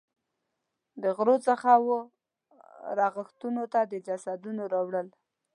د غرو څخه وه رغتونونو ته د جسدونو راوړل.